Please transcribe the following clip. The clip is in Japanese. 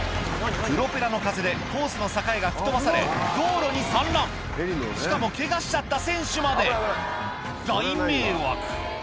プロペラの風でコースの境が吹き飛ばされ道路に散乱しかもケガしちゃった選手まで大迷惑！